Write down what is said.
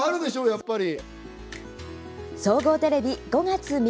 やっぱり。